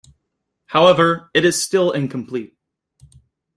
However, it is still incomplete.